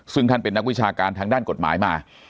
ซึ่งท่านเป็นนักวิชาการทางด้านกฎหมายมา